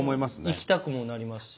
行きたくもなりますし。